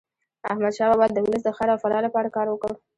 احمد شاه بابا د ولس د خیر او فلاح لپاره کار وکړ.